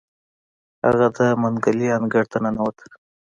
هغه د منګلي انګړ ته ننوت.